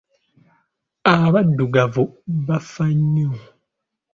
Abaddugavu baafa nnyo.